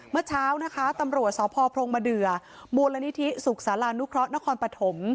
เมื่อเช้านะคะตำรวจสพพรงมเดือมูลนิธิสุขศาลานุเคราะห์นครปฐม